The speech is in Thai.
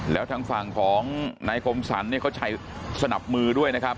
แล้วทางฝั่งของนายคมสรรเนี่ยเขาใช้สนับมือด้วยนะครับ